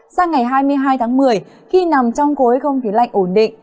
sang ngày hai mươi hai tháng một mươi khi nằm trong khối không khí lạnh ổn định